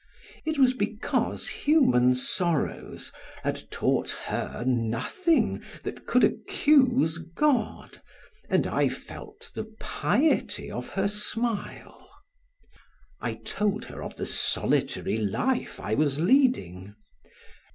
It was because human sorrows had taught her nothing that could accuse God, and I felt the piety of her smile. I told her of the solitary life I was leading.